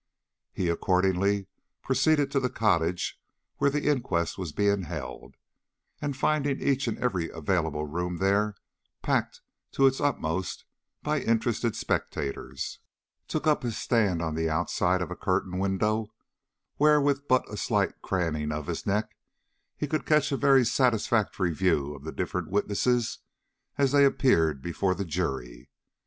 He accordingly proceeded to the cottage where the inquest was being held, and finding each and every available room there packed to its uttermost by interested spectators, took up his stand on the outside of a curtained window, where with but a slight craning of his neck he could catch a very satisfactory view of the different witnesses as they appeared before the jury.